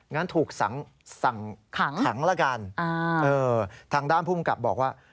งั้นถูกสั่งขังละกันทางด้านภูมิกับบอกว่า